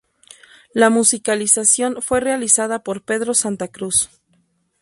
La musicalización fue realizada por Pedro Santa Cruz.